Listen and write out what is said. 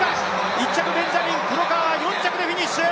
１着ベンジャミン、黒川は４着でフィニッシュ。